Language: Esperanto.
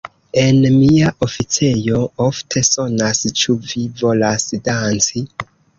En mia oficejo ofte sonas Ĉu vi volas danci?